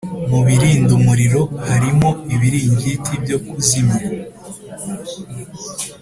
Mu birinda umuriro harimo ibiringiti byo kuzimya